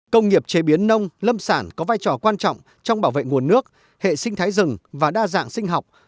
công nghiệp chế biến nông lâm sản có vai trò quan trọng trong bảo vệ nguồn nước hệ sinh thái rừng và đa dạng sinh học